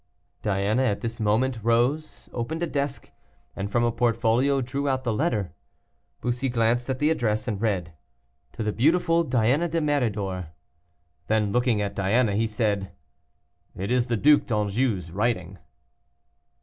Diana, at this moment, rose, opened a desk, and from a portfolio drew out the letter. Bussy glanced at the address and read, "To the beautiful Diana de Méridor." Then looking at Diana, he said "It is the Duc d'Anjou's writing."